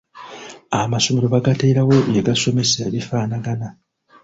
Amasomero baagateerawo bye gasomesa ebifaanagana.